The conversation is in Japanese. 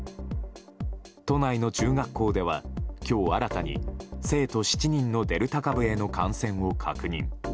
都内の中学校では今日新たに生徒７人のデルタ株への感染を確認。